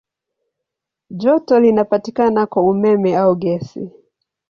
Joto linapatikana kwa umeme au gesi.